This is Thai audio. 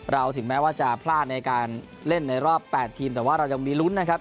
ถึงแม้ว่าจะพลาดในการเล่นในรอบ๘ทีมแต่ว่าเรายังมีลุ้นนะครับ